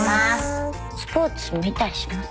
スポーツ見たりしますか？